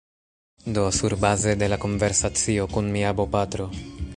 Do, surbaze de la konversacio kun mia bopatro